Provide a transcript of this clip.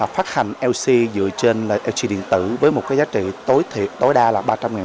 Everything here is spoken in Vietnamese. phát hành lc dựa trên là lc điện tử với một giá trị tối đa là ba trăm linh